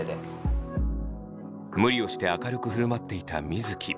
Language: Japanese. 無理をして明るく振る舞っていた水城。